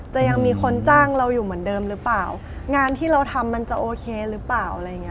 จะยังมีคนจ้างเราอยู่เหมือนเดิมหรือเปล่างานที่เราทำมันจะโอเคหรือเปล่าอะไรอย่างเงี้